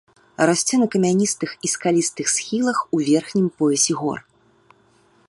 Расце на камяністых і скалістых схілах у верхнім поясе гор.